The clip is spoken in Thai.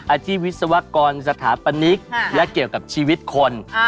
วิศวกรสถาปนิกและเกี่ยวกับชีวิตคน